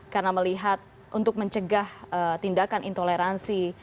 karena melihat untuk mencegah tindakan intoleransi